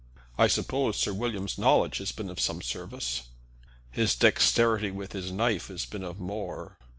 "I suppose Sir William's knowledge has been of some service." "His dexterity with his knife has been of more.